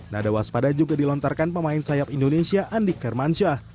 nada waspada juga dilontarkan pemain sayap indonesia andik firmansyah